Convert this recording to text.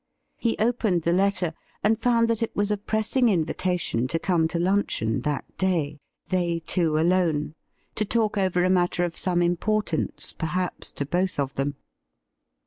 He opened the letter, and found that it was a pressing invitation to come to luncheon that day — they two alone — to talk over a matter of some importance perhaps to both of them.